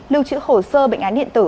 lưu trữ hồ sơ bệnh án điện tử